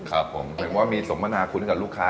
หมายใจว่ามีสมมนาคุ้นกับลูกค้า